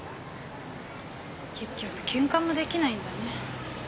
結局ケンカもできないんだね。